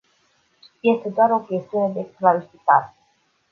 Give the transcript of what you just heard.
Este doar o chestiune de clarificare.